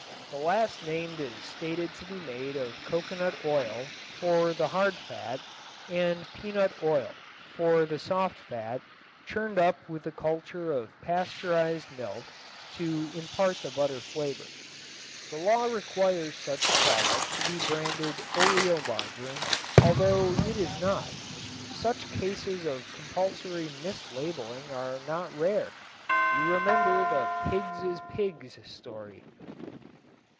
The last named is stated to be made of coconut oil (for the hard fat) and peanut oil (for the soft fat), churned up with a culture of pasteurized milk (to impart the butter flavor). The law requires such a product to be branded "oleomargarine" although it is not. Such cases of compulsory mislabeling are not rare. You remember the "Pigs is Pigs" story.